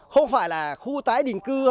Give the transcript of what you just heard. không phải là khu tái định cư